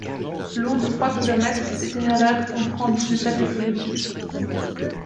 Long de trois km, cet itinéraire comprend dix étapes écologiques.